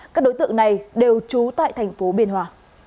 các đối tượng này đều trú tại thành phố biên hòa